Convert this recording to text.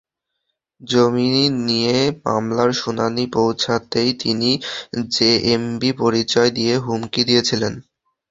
জমি নিয়ে মামলার শুনানি পেছাতেই তিনি জেএমবি পরিচয় দিয়ে হুমকি দিয়েছিলেন।